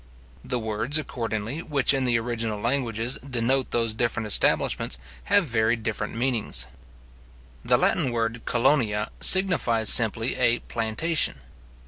The words, accordingly, which in the original languages denote those different establishments, have very different meanings. The Latin word (colonia) signifies simply a plantation.